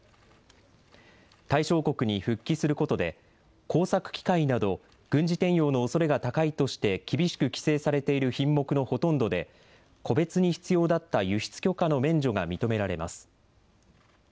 対象国に復帰することで、工作機械など、軍事転用のおそれが高いとして厳しく規制されている品目のほとんどで個別に必要だった輸出許可の免除が認められます。